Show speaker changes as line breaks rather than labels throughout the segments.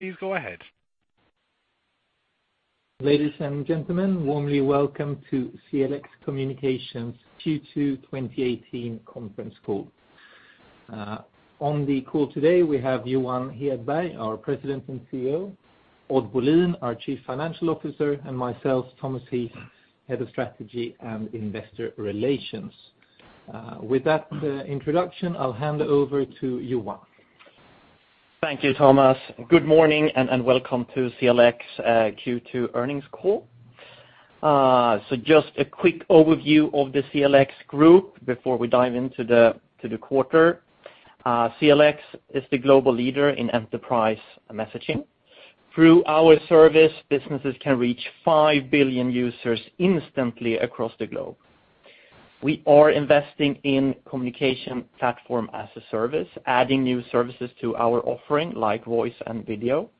Please go ahead.
Ladies and gentlemen, warmly welcome to CLX Communications Q2 2018 conference call. On the call today, we have Johan Hedberg, our President and CEO, Odd Bolin, our Chief Financial Officer, and myself, Thomas Heath, Head of Strategy and Investor Relations. With that introduction, I'll hand over to Johan.
Thank you, Thomas. Good morning, welcome to CLX Q2 earnings call. Just a quick overview of the CLX group before we dive into the quarter. CLX is the global leader in enterprise messaging. Through our service, businesses can reach 5 billion users instantly across the globe. We are investing in Communication Platform as a Service, adding new services to our offering, like voice and video.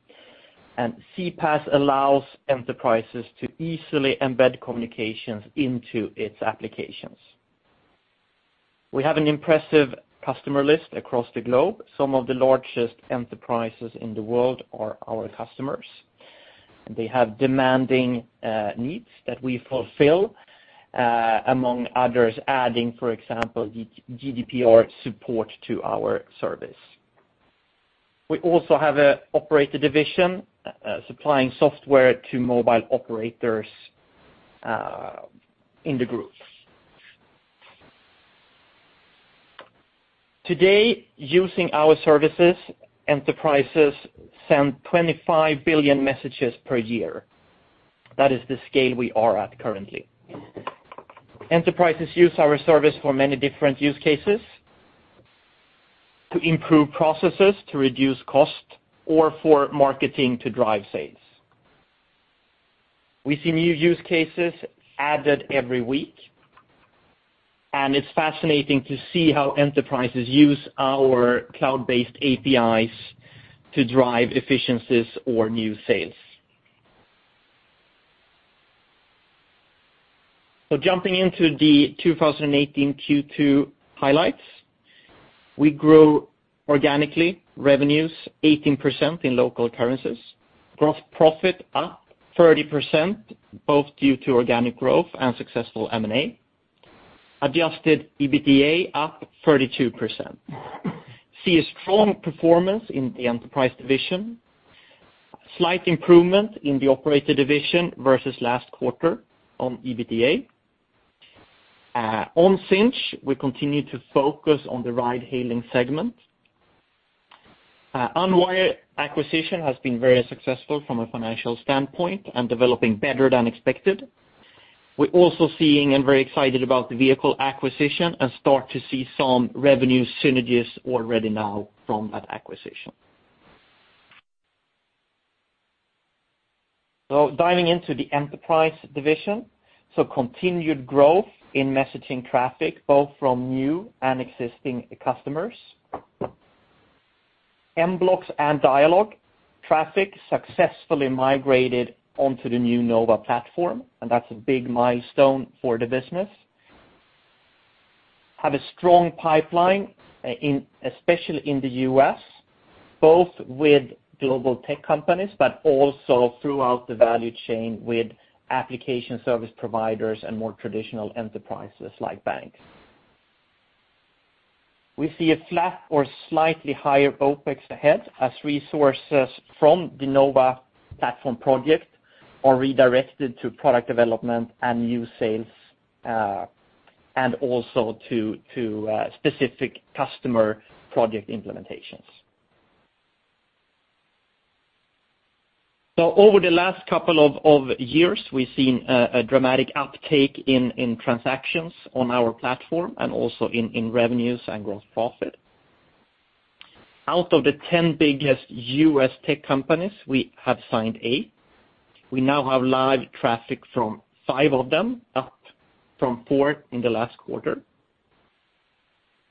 CPaaS allows enterprises to easily embed communications into its applications. We have an impressive customer list across the globe. Some of the largest enterprises in the world are our customers. They have demanding needs that we fulfill, among others, adding, for example, GDPR support to our service. We also have an operator division, supplying software to mobile operators in the group. Today, using our services, enterprises send 25 billion messages per year. That is the scale we are at currently. Enterprises use our service for many different use cases, to improve processes, to reduce cost, or for marketing to drive sales. We see new use cases added every week, it's fascinating to see how enterprises use our cloud-based APIs to drive efficiencies or new sales. Jumping into the 2018 Q2 highlights. We grow organically, revenues 18% in local currencies. Gross profit up 30%, both due to organic growth and successful M&A. Adjusted EBITDA up 32%. See a strong performance in the enterprise division. Slight improvement in the operator division versus last quarter on EBITDA. On Sinch, we continue to focus on the ride-hailing segment. Unwire acquisition has been very successful from a financial standpoint and developing better than expected. We're also seeing and very excited about the Vehicle acquisition start to see some revenue synergies already now from that acquisition. Diving into the enterprise division. Continued growth in messaging traffic, both from new and existing customers. mBlox and Dialogue traffic successfully migrated onto the new Nova platform, and that's a big milestone for the business. Have a strong pipeline, especially in the U.S., both with global tech companies, but also throughout the value chain with application service providers and more traditional enterprises like banks. We see a flat or slightly higher OPEX ahead as resources from the Nova platform project are redirected to product development and new sales, and also to specific customer project implementations. Over the last couple of years, we've seen a dramatic uptake in transactions on our platform and also in revenues and gross profit. Out of the 10 biggest U.S. tech companies, we have signed eight. We now have live traffic from five of them, up from four in the last quarter.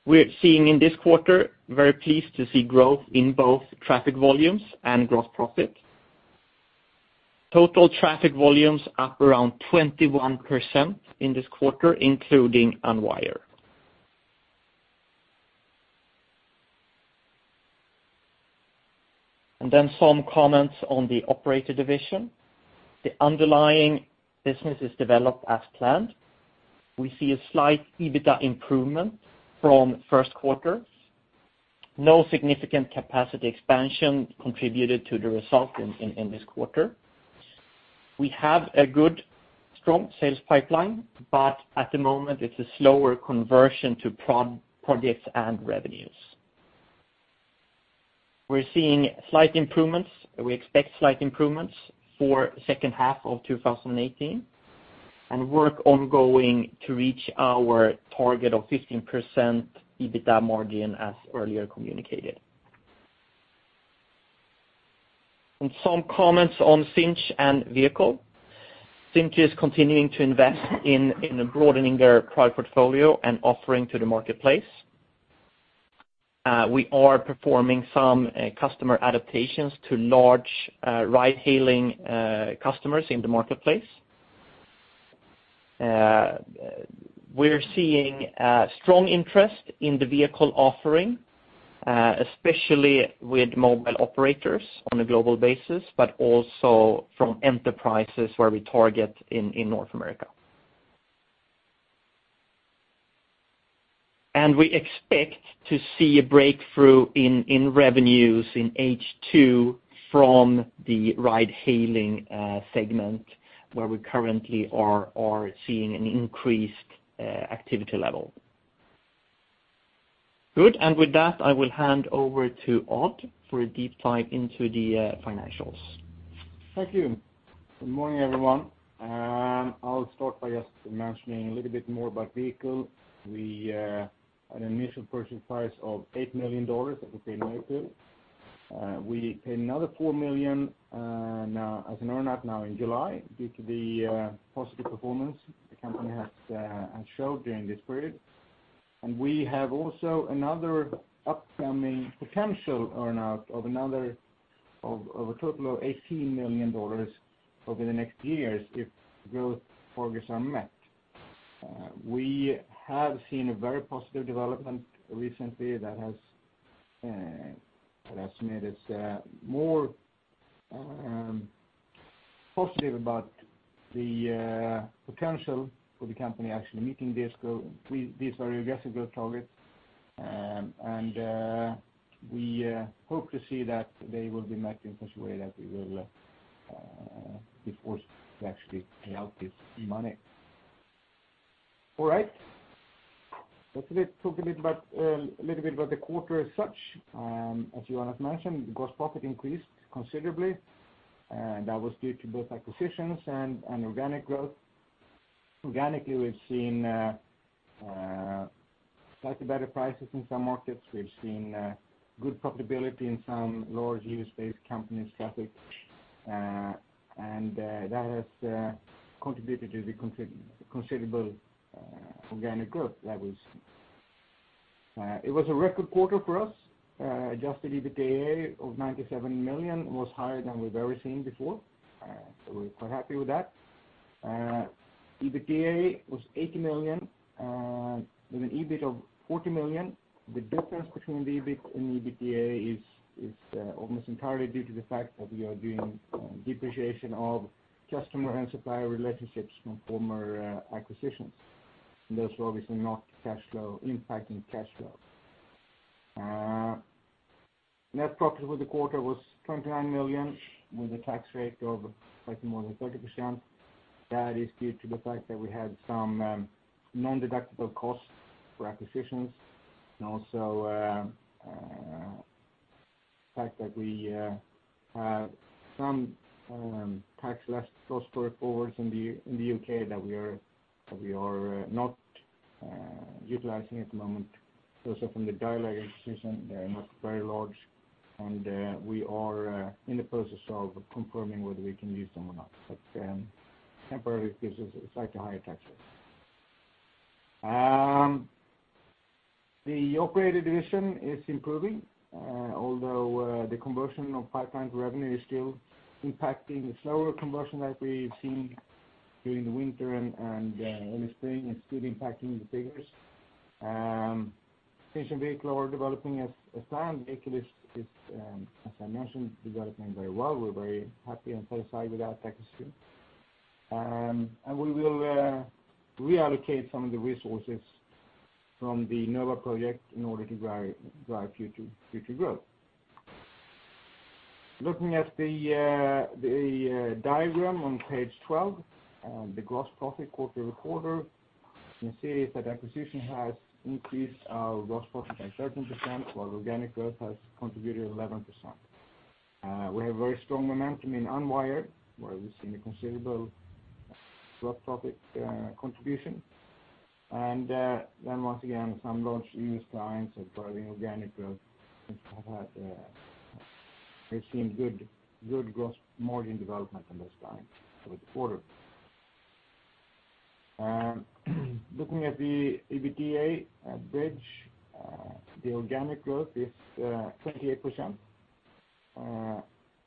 We're seeing in this quarter, very pleased to see growth in both traffic volumes and gross profit. Total traffic volumes up around 21% in this quarter, including Unwire. Some comments on the operator division. The underlying business is developed as planned. We see a slight EBITDA improvement from first quarter. No significant capacity expansion contributed to the result in this quarter. We have a good, strong sales pipeline, but at the moment, it's a slower conversion to projects and revenues. We're seeing slight improvements. We expect slight improvements for second half of 2018 and work ongoing to reach our target of 15% EBITDA margin as earlier communicated. Some comments on Sinch and Vehicle. Sinch is continuing to invest in broadening their product portfolio and offering to the marketplace. We are performing some customer adaptations to large ride-hailing customers in the marketplace. We're seeing strong interest in the Vehicle offering, especially with mobile operators on a global basis, but also from enterprises where we target in North America. We expect to see a breakthrough in revenues in H2 from the ride-hailing segment, where we currently are seeing an increased activity level. With that, I will hand over to Odd for a deep dive into the financials.
Thank you. Good morning, everyone. I'll start by just mentioning a little bit more about Vehicle. We had an initial purchase price of $8 million that we paid Norauto. We paid another $4 million as an earn-out now in July, due to the positive performance the company has showed during this period. We have also another upcoming potential earn-out of a total of $18 million over the next years if growth targets are met. We have seen a very positive development recently that has made us more positive about the potential for the company actually meeting these very aggressive growth targets. We hope to see that they will be met in such a way that we will be forced to actually pay out this money. Let's talk a little bit about the quarter as such. As Johan mentioned, gross profit increased considerably. That was due to both acquisitions and organic growth. Organically, we've seen slightly better prices in some markets. We've seen good profitability in some large use-based companies' traffic. That has contributed to the considerable organic growth. It was a record quarter for us. Adjusted EBITDA of 97 million was higher than we've ever seen before. We're quite happy with that. EBITDA was 80 million, with an EBIT of 40 million. The difference between the EBIT and the EBITDA is almost entirely due to the fact that we are doing depreciation of customer and supplier relationships from former acquisitions. Those are obviously not impacting cash flow. Net profit for the quarter was 29 million, with a tax rate of slightly more than 30%. That is due to the fact that we had some non-deductible costs for acquisitions and also the fact that we have some tax loss carryforwards in the U.K. that we are not utilizing at the moment. Those are from the Dialogue acquisition. They are not very large. We are in the process of confirming whether we can use them or not. Temporarily, it gives us a slightly higher tax rate. The operator division is improving, although the conversion of pipeline revenue is still impacting the slower conversion that we've seen during the winter and in the spring and still impacting the figures. Sinch and Vehicle are developing as planned. Vehicle is, as I mentioned, developing very well. We're very happy and satisfied with that acquisition. We will reallocate some of the resources from the Nova project in order to drive future growth. Looking at the diagram on page 12, the gross profit quarter-over-quarter, you can see that acquisition has increased our gross profit by 13%, while organic growth has contributed 11%. We have very strong momentum in Unwire, where we've seen a considerable gross profit contribution. Once again, some large new clients are driving organic growth. We've seen good gross margin development in those clients for the quarter. Looking at the EBITDA bridge, the organic growth is 28%.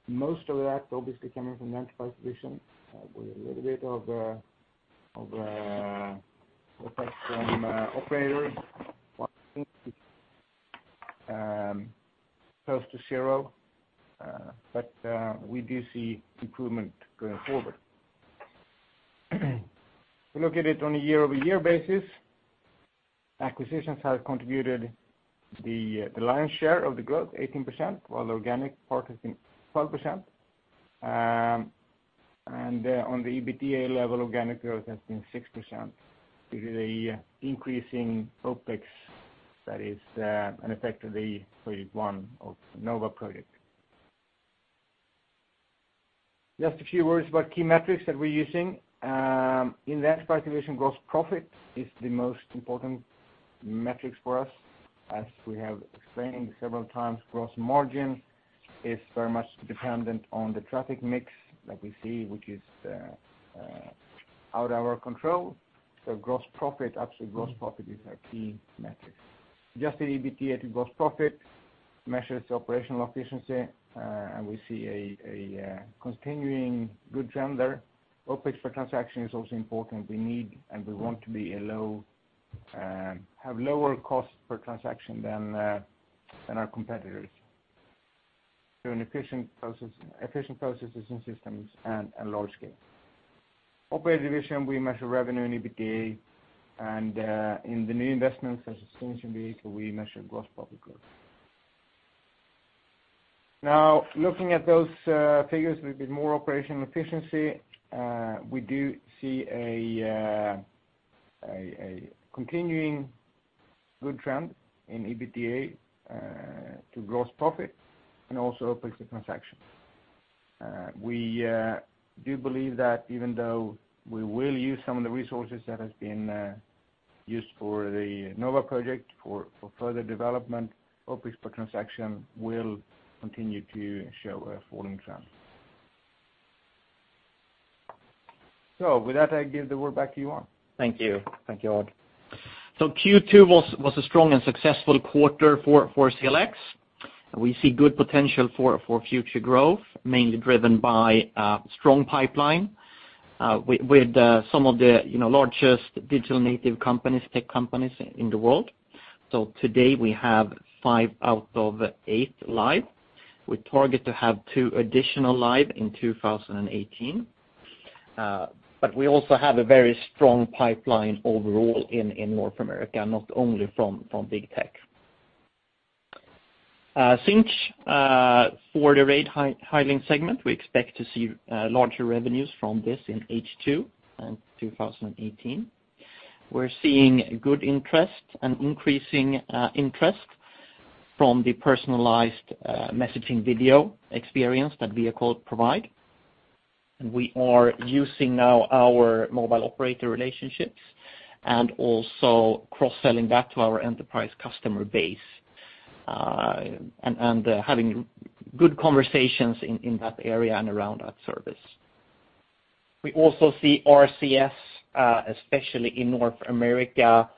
Most of that obviously coming from the enterprise division, with a little bit of effect from operators. Close to zero. We do see improvement going forward. If we look at it on a year-over-year basis, acquisitions have contributed the lion's share of the growth, 18%, while the organic part has been 12%. On the EBITDA level, organic growth has been 6%, due to the increasing OpEx that is an effect of the phase 1 of the Nova project. Just a few words about key metrics that we're using. In the enterprise division, gross profit is the most important metric for us. As we have explained several times, gross margin is very much dependent on the traffic mix that we see, which is out of our control. Absolute gross profit is our key metric. Adjusted EBITDA to gross profit measures operational efficiency. We see a continuing good trend there. OpEx per transaction is also important. We need and we want to have lower cost per transaction than our competitors through efficient processes and systems and large scale. Operator division, we measure revenue and EBITDA. In the new investments, such as Sinch and Vehicle, we measure gross profit growth. Looking at those figures with more operational efficiency, we do see a continuing good trend in EBITDA to gross profit, and also OpEx per transaction. We do believe that even though we will use some of the resources that has been used for the Nova project for further development, OpEx per transaction will continue to show a falling trend. With that, I give the word back to you, Johan.
Thank you. Thank you, Odd. Q2 was a strong and successful quarter for CLX. We see good potential for future growth, mainly driven by a strong pipeline with some of the largest digital native tech companies in the world. Today we have five out of eight live. We target to have two additional live in 2018. We also have a very strong pipeline overall in North America, not only from big tech. Sinch, for the ride-hailing segment, we expect to see larger revenues from this in H2 in 2018. We're seeing good interest and increasing interest from the personalized messaging video experience that Vehicle provide. We are using now our mobile operator relationships and also cross-selling that to our enterprise customer base, and having good conversations in that area and around that service. We also see RCS, especially in North America,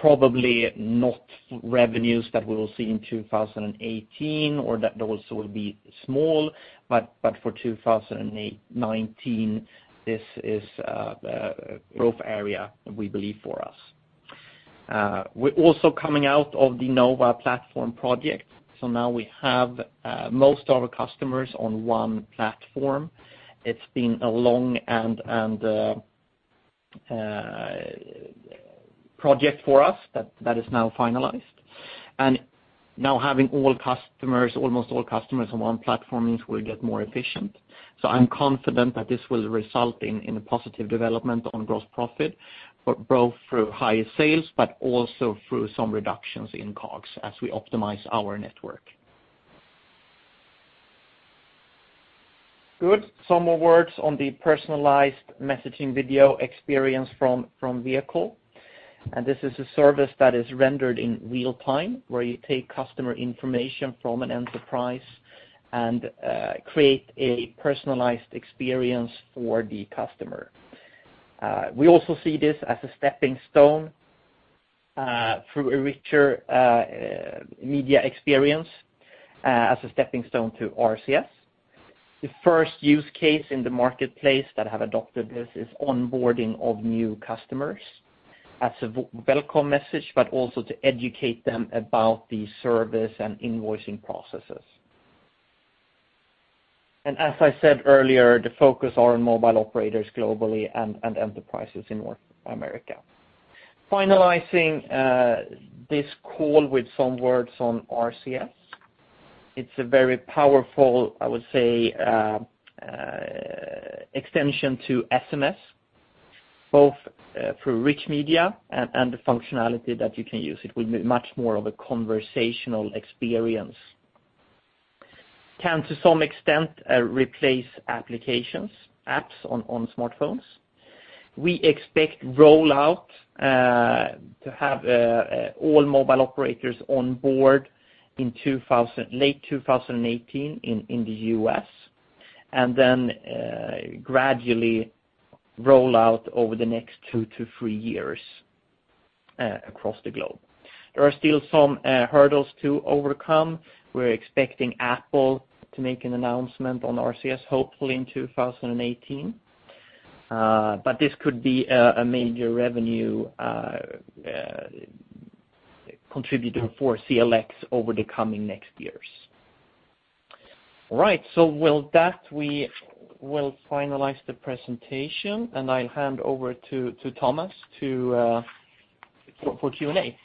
probably not revenues that we will see in 2018, or those will be small, but for 2019, this is a growth area we believe for us. We're also coming out of the Nova platform project. Now we have most of our customers on one platform. It's been a long project for us, but that is now finalized. Now having almost all customers on one platform means we'll get more efficient. I'm confident that this will result in a positive development on gross profit, both through higher sales, but also through some reductions in COGS as we optimize our network. Good. Some more words on the personalized messaging video experience from Vehicle, this is a service that is rendered in real time, where you take customer information from an enterprise and create a personalized experience for the customer. We also see this as a stepping stone through a richer media experience, as a stepping stone to RCS. The first use case in the marketplace that have adopted this is onboarding of new customers as a welcome message, but also to educate them about the service and invoicing processes. As I said earlier, the focus are on mobile operators globally and enterprises in North America. Finalizing this call with some words on RCS. It's a very powerful, I would say, extension to SMS, both through rich media and the functionality that you can use. It will be much more of a conversational experience. Can, to some extent, replace applications, apps on smartphones. We expect rollout to have all mobile operators on board in late 2018 in the U.S., then gradually roll out over the next two to three years across the globe. There are still some hurdles to overcome. We're expecting Apple to make an announcement on RCS, hopefully in 2018. This could be a major revenue contributor for CLX over the coming next years. All right. With that, we will finalize the presentation, and I'll hand over to Thomas for Q&A.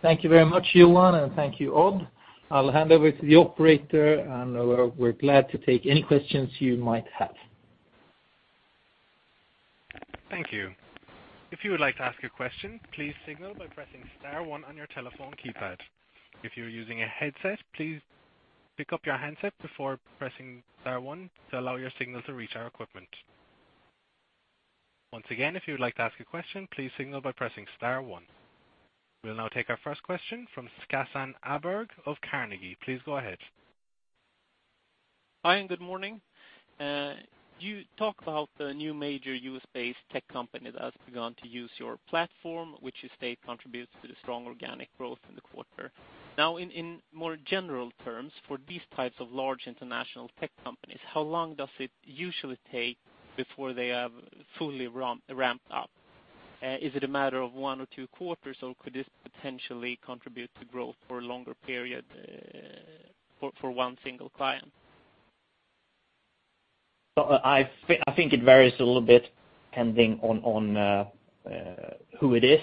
Thank you very much, Johan, and thank you, Odd. I'll hand over to the operator, and we're glad to take any questions you might have.
Thank you. If you would like to ask a question, please signal by pressing star one on your telephone keypad. If you're using a headset, please pick up your handset before pressing star one to allow your signal to reach our equipment. Once again, if you would like to ask a question, please signal by pressing star one. We'll now take our first question from Staffan Åberg of Carnegie. Please go ahead.
Hi, and good morning. You talk about the new major U.S.-based tech company that has begun to use your platform, which you state contributes to the strong organic growth in the quarter. In more general terms, for these types of large international tech companies, how long does it usually take before they have fully ramped up? Is it a matter of one or two quarters, or could this potentially contribute to growth for a longer period for one single client?
I think it varies a little bit depending on who it is.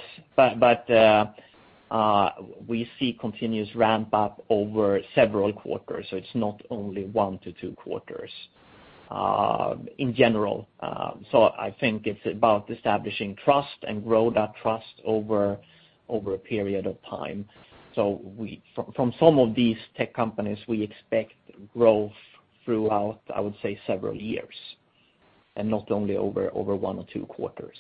We see continuous ramp-up over several quarters, so it is not only one to two quarters in general. I think it is about establishing trust and grow that trust over a period of time. From some of these tech companies, we expect growth throughout, I would say, several years, and not only over one or two quarters.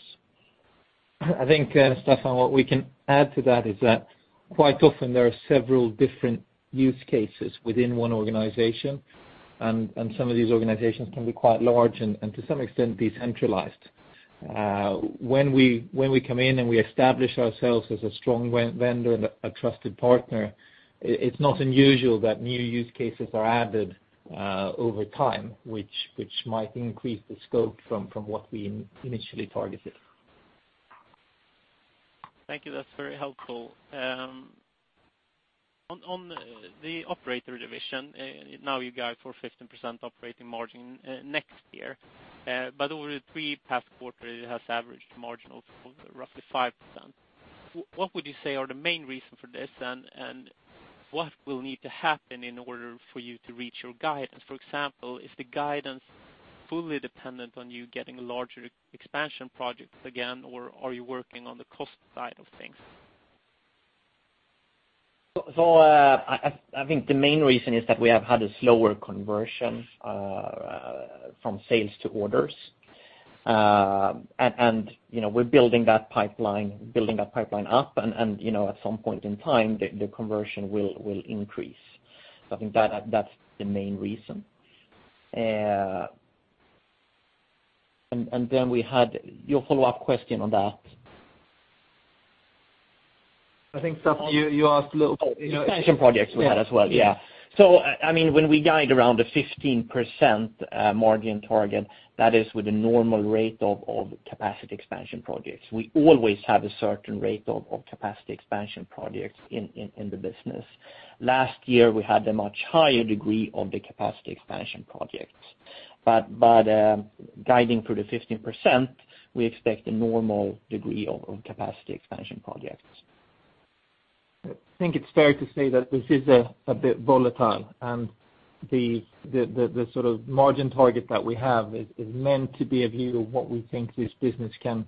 I think, Staffan, what we can add to that is that quite often there are several different use cases within one organization, and some of these organizations can be quite large and to some extent, decentralized. When we come in and we establish ourselves as a strong vendor and a trusted partner, it is not unusual that new use cases are added over time, which might increase the scope from what we initially targeted.
Thank you. That is very helpful. On the operator division, now you guide for 15% operating margin next year. Over the three past quarters, it has averaged margin of roughly 5%. What would you say are the main reason for this, and what will need to happen in order for you to reach your guidance? For example, is the guidance fully dependent on you getting larger expansion projects again, or are you working on the cost side of things?
I think the main reason is that we have had a slower conversion from sales to orders. We are building that pipeline up, and at some point in time, the conversion will increase. I think that is the main reason. We had your follow-up question on that.
I think, Staffan, you asked.
Oh, expansion projects we had as well. Yeah.
Yeah.
When we guide around the 15% margin target, that is with a normal rate of capacity expansion projects. We always have a certain rate of capacity expansion projects in the business. Last year, we had a much higher degree of the capacity expansion projects. Guiding through the 15%, we expect a normal degree of capacity expansion projects.
I think it's fair to say that this is a bit volatile, and the sort of margin target that we have is meant to be a view of what we think this business can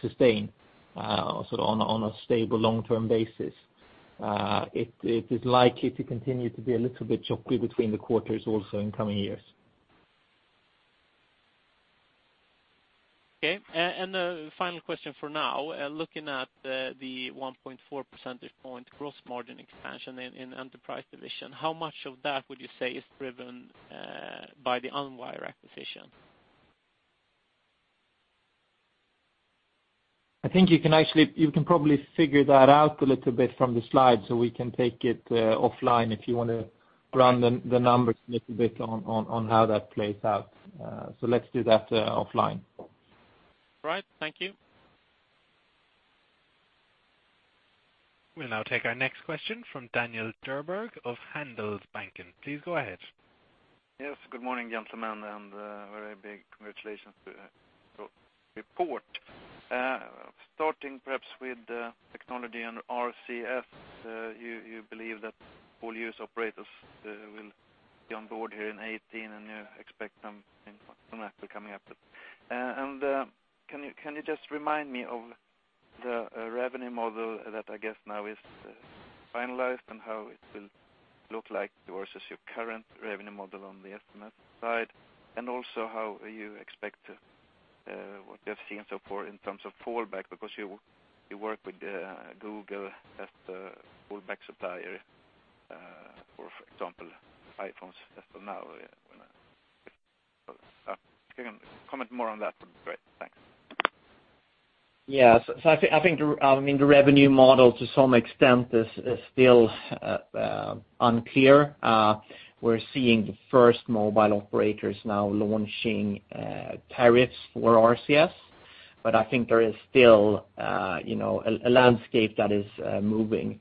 sustain, sort of on a stable long-term basis. It is likely to continue to be a little bit choppy between the quarters also in coming years.
Okay. The final question for now, looking at the 1.4 percentage point gross margin expansion in the enterprise division, how much of that would you say is driven by the Unwire acquisition?
I think you can probably figure that out a little bit from the slide, we can take it offline if you want to run the numbers a little bit on how that plays out. Let's do that offline.
Right. Thank you.
We'll now take our next question from Daniel Djurberg of Handelsbanken. Please go ahead.
Yes, good morning, gentlemen, very big congratulations to your report. Starting perhaps with technology and RCS, you believe that all U.S. operators will be on board here in 2018, you expect something from that to coming up. Can you just remind me of the revenue model that I guess now is finalized and how it will look like versus your current revenue model on the SMS side? Also how you expect what you have seen so far in terms of fallback, because you work with Google as the fallback supplier, for example, iPhones as from now. If you can comment more on that, would be great. Thanks.
I think the revenue model to some extent is still unclear. We're seeing the first mobile operators now launching tariffs for RCS, but I think there is still a landscape that is moving.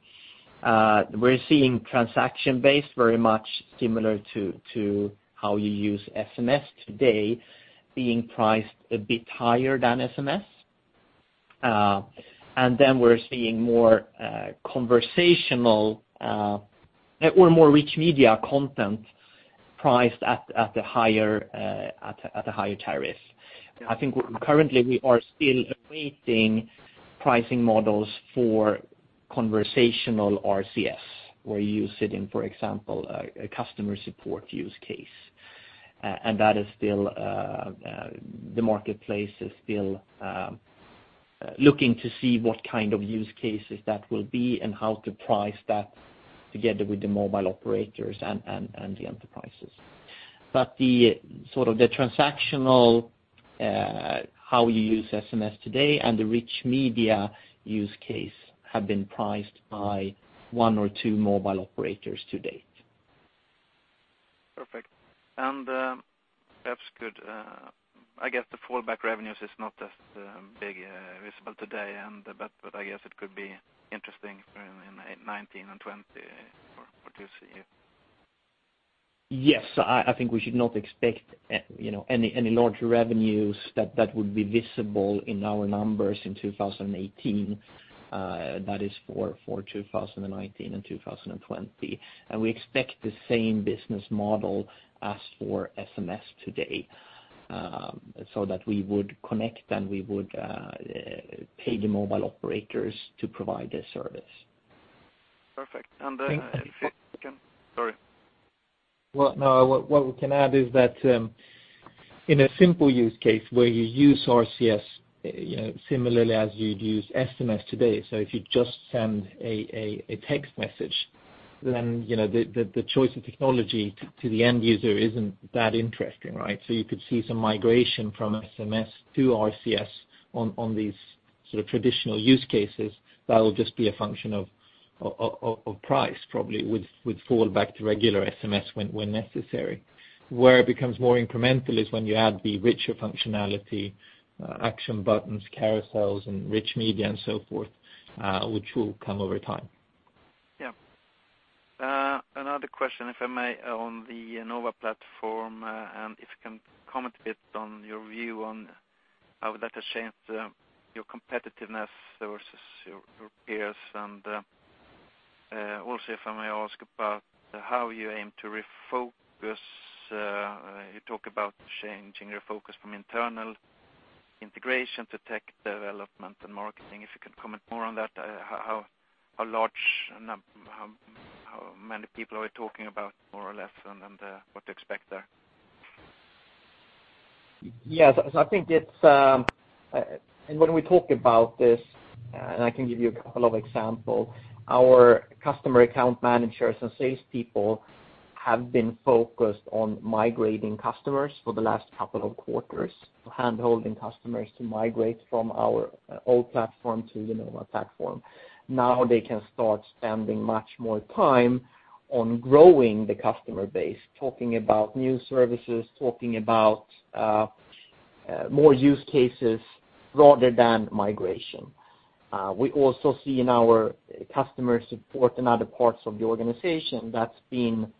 We're seeing transaction-based very much similar to how you use SMS today, being priced a bit higher than SMS. Then we're seeing more conversational, or more rich media content priced at a higher tariff. I think currently we are still awaiting pricing models for Conversational RCS, where you use it in, for example, a customer support use case. The marketplace is still looking to see what kind of use cases that will be and how to price that together with the mobile operators and the enterprises. The transactional, how you use SMS today and the rich media use case have been priced by one or two mobile operators to date.
Perfect. That's good. I guess the fallback revenues is not as big, visible today, but I guess it could be interesting in 2019 and 2020 for this year.
Yes. I think we should not expect any large revenues that would be visible in our numbers in 2018. That is for 2019 and 2020. We expect the same business model as for SMS today, so that we would connect and we would pay the mobile operators to provide their service.
Perfect. Sorry.
Well, no, what we can add is that in a simple use case where you use RCS similarly as you'd use SMS today, so if you just send a text message, then the choice of technology to the end user isn't that interesting. You could see some migration from SMS to RCS on these traditional use cases. That will just be a function of price, probably, with fallback to regular SMS when necessary. Where it becomes more incremental is when you add the richer functionality, action buttons, carousels, and rich media and so forth, which will come over time.
Yeah. Another question, if I may, on the Nova platform, and if you can comment a bit on your view on how that has changed your competitiveness versus your peers and, also if I may ask about how you aim to refocus. You talk about changing your focus from internal integration to tech development and marketing. If you can comment more on that, how many people are we talking about, more or less, and what to expect there?
Yes. When we talk about this, and I can give you a couple of examples, our customer account managers and salespeople have been focused on migrating customers for the last couple of quarters, handholding customers to migrate from our old platform to the Nova platform. Now they can start spending much more time on growing the customer base, talking about new services, talking about more use cases rather than migration. We also see in our customer support in other parts of the organization that's been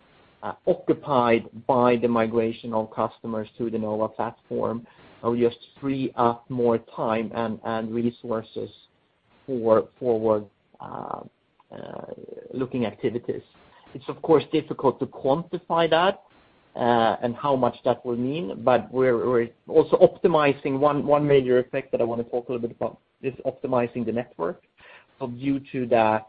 occupied by the migration of customers to the Nova platform, we just free up more time and resources for forward-looking activities. It's of course difficult to quantify that, and how much that will mean, but we're also optimizing one major effect that I want to talk a little bit about, is optimizing the network. Due to that,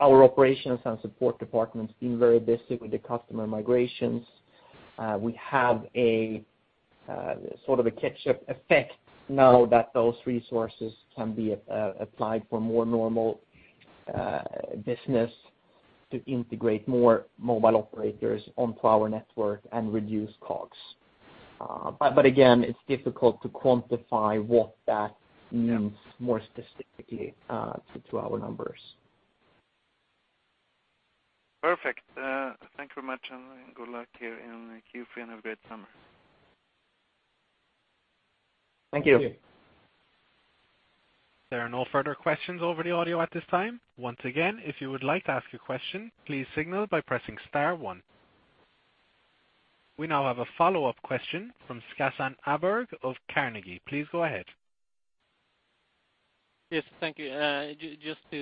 our operations and support departments being very busy with the customer migrations, we have a sort of a catch-up effect now that those resources can be applied for more normal business to integrate more mobile operators onto our network and reduce costs. Again, it is difficult to quantify what that means more specifically to our numbers.
Perfect. Thank you very much, good luck here in Q3 and have a great summer.
Thank you.
There are no further questions over the audio at this time. Once again, if you would like to ask a question, please signal by pressing *1. We now have a follow-up question from Staffan Åberg of Carnegie. Please go ahead.
Yes, thank you. Just to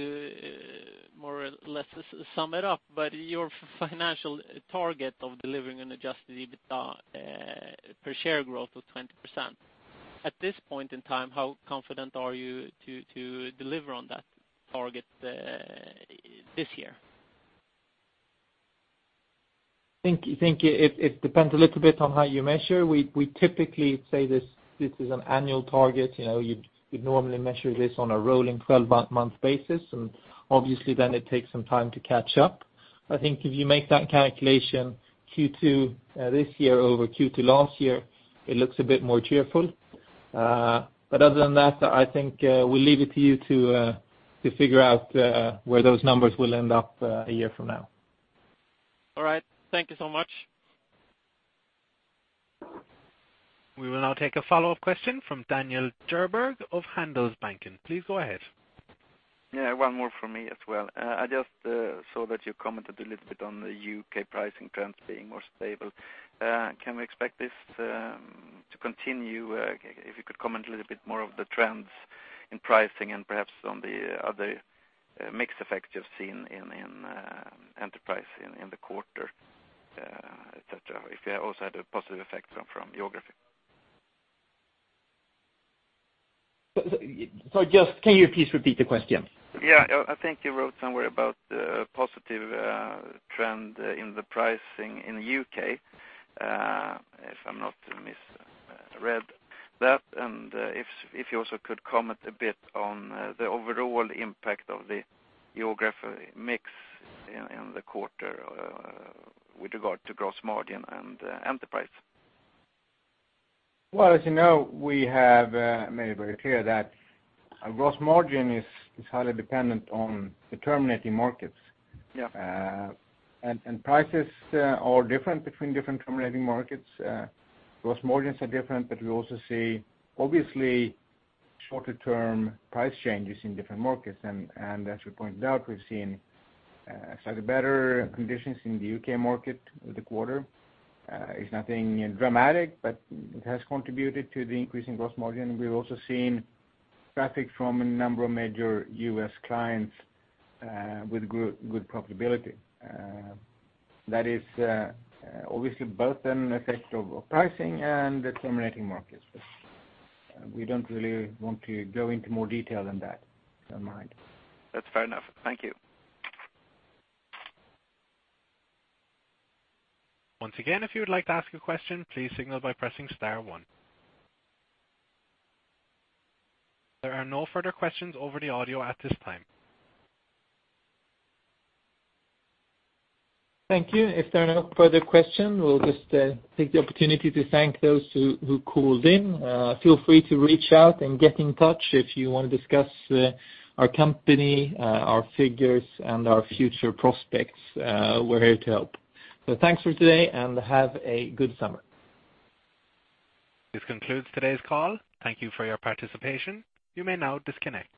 more or less sum it up, your financial target of delivering an adjusted EBITDA per share growth of 20%. At this point in time, how confident are you to deliver on that target this year?
I think it depends a little bit on how you measure. We typically say this is an annual target. You'd normally measure this on a rolling 12-month basis, and obviously then it takes some time to catch up. I think if you make that calculation Q2 this year over Q2 last year, it looks a bit more cheerful. Other than that, I think we'll leave it to you to figure out where those numbers will end up a year from now.
All right. Thank you so much.
We will now take a follow-up question from Daniel Djurberg of Handelsbanken. Please go ahead.
Yeah, one more from me as well. I just saw that you commented a little bit on the U.K. pricing trends being more stable. Can we expect this to continue? If you could comment a little bit more of the trends in pricing and perhaps on the other mixed effects you've seen in enterprise in the quarter, et cetera. If you also had a positive effect from your growth.
Sorry, can you please repeat the question?
Yeah. I think you wrote somewhere about a positive trend in the pricing in the U.K. If I'm not misread that, and if you also could comment a bit on the overall impact of the geography mix in the quarter with regard to gross margin and enterprise.
Well, as you know, we have made it very clear that our gross margin is highly dependent on the terminating markets.
Yeah.
Prices are different between different terminating markets. Gross margins are different. We also see, obviously, shorter-term price changes in different markets. As you pointed out, we've seen slightly better conditions in the U.K. market with the quarter. It's nothing dramatic, but it has contributed to the increase in gross margin. We've also seen traffic from a number of major U.S. clients with good profitability. That is obviously both an effect of pricing and the terminating markets. We don't really want to go into more detail than that, if you don't mind.
That's fair enough. Thank you.
Once again, if you would like to ask a question, please signal by pressing star one. There are no further questions over the audio at this time.
Thank you. If there are no further question, we'll just take the opportunity to thank those who called in. Feel free to reach out and get in touch if you want to discuss our company, our figures, and our future prospects. We're here to help. Thanks for today, and have a good summer.
This concludes today's call. Thank you for your participation. You may now disconnect.